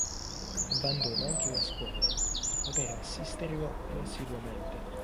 Abbandona anche la scuola per poter assisterlo più assiduamente.